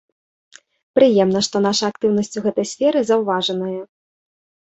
Прыемна, што наша актыўнасць у гэтай сферы заўважаная.